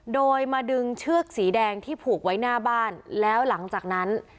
โดยมาดึงเชือกสีแดงที่ผูกไว้หน้าบ้านแล้วหลังจากนั้น